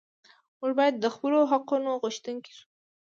موږ باید د خپلو حقونو غوښتونکي شو.